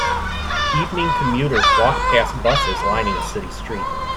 Evening commuters walk past buses lining a city street.